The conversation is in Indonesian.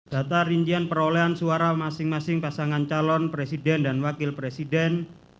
data rincian perolehan suara masing masing pasangan calon presiden dan wakil presiden